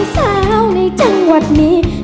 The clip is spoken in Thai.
สาวในจังหวัดนี้